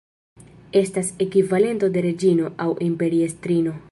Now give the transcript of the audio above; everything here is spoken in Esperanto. Estas ekvivalento de "reĝino" aŭ "imperiestrino".